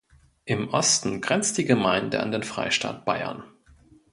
Im Osten grenzt die Gemeinde an den Freistaat Bayern.